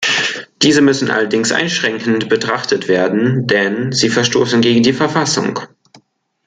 Diese müssen allerdings einschränkend betrachtet werden, denn sie verstoßen gegen die Verfassung.